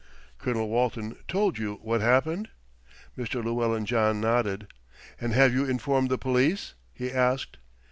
"Colonel Walton told you what happened?" Mr. Llewellyn John nodded. "And have you informed the police?" he asked.